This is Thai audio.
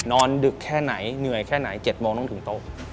ดึกแค่ไหนเหนื่อยแค่ไหน๗โมงต้องถึงโต๊ะ